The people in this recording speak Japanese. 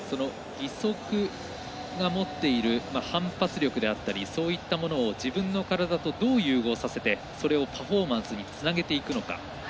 義足が持っている反発力であったりそういったものを自分の体とどう融合させてそれをパフォーマンスにつなげていくのか。